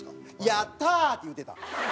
「やったー！」って言うてた。